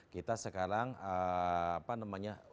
kita sekarang apa namanya